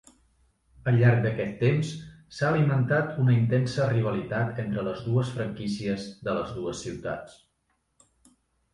Al llarg d'aquest temps, s'ha alimentat una intensa rivalitat entre les dues franquícies de les dues ciutats.